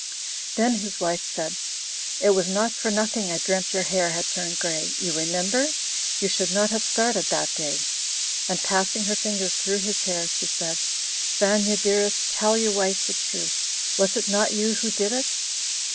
Then his wife said, "It was not for nothing I dreamt your hair had turned grey. You remember? You should not have started that day." And passing her fingers through his hair, she said: "Vanya dearest, tell your wife the truth; was it not you who did it?"